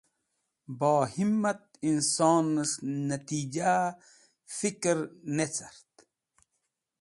Bo Himmat Insones̃h Natijahe Fkr ne cart